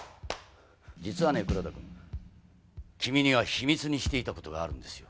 実はね黒田君君には秘密にしていたことがあるんですよ。